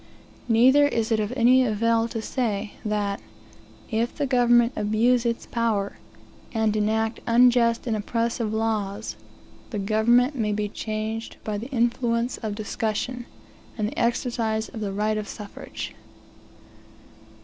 Neither is it of any avail to say, that, if the government abuse its power, and enact unjust and oppressive laws, the government may be changed by the influence of discussion, and the exercise of the right of suffrage.